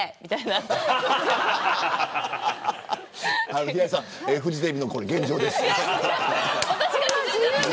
これがフジテレビの現状です。